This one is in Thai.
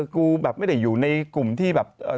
กูแบบไม่ได้อยู่ในกลุ่มที่แบบ